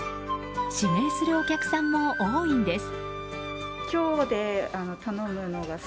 指名するお客さんも多いんです。